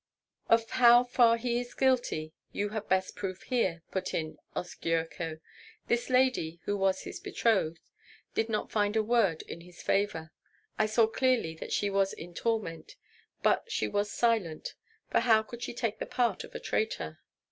"Of how far he is guilty, you have best proof here," put in Oskyerko; "this lady, who was his betrothed, did not find a word in his favor. I saw clearly that she was in torment, but she was silent; for how could she take the part of a traitor."